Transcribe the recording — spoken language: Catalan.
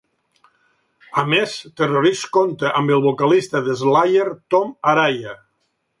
A més, "Terrorist" compta amb el vocalista de Slayer, Tom Araya.